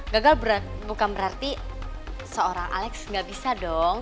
gagal bukan berarti seorang alex gak bisa dong